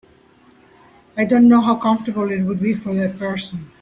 I don’t know how comfortable it would be for a person.